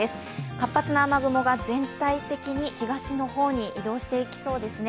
活発な雨雲が全体的に東の方に移動していきそうですね